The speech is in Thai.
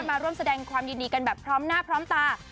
มาร่วมแสดงความยินดีกันแบบพร้อมหน้าพร้อมตา